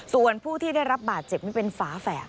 ส่วนผู้ที่ได้รับบาดเจ็บนี่เป็นฝาแฝด